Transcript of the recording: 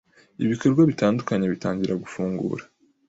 ibikorwa bitandukanye bitangira gufungura,